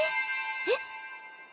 えっ？